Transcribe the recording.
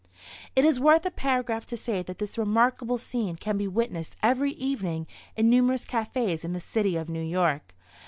It is worth a paragraph to say that this remarkable scene can be witnessed every evening in numerous cafés in the City of New York.